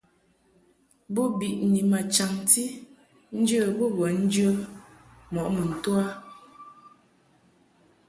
Bo biʼni ma chaŋti nje bo bə njə mɔʼ mun to a.